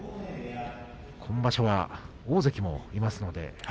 今場所は大関もいます。